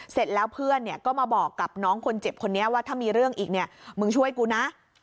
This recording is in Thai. เสร็จแล้วเพื่อนเนี่ยก็มาบอกกับน้องคนเจ็บคนนี้ว่าถ้ามีเรื่องอีกเนี่ยมึงช่วยกูนะ